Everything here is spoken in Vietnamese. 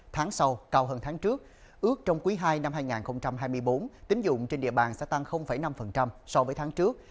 tháng sau cao hơn tháng trước ước trong quý ii năm hai nghìn hai mươi bốn tính dụng trên địa bàn sẽ tăng năm so với tháng trước